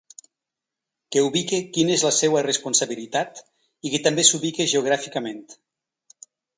Que ubique quina és la seua responsabilitat i que també s’ubique geogràficament.